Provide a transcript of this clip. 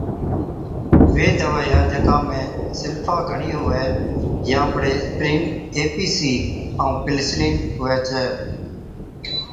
وي دَوائِيا جڪا ۾ سلفا گھڻِي هُوَي يان بڙي اِسپرِين اي، پِي سِي ائُون پنسلين هُوَي ڇَي۔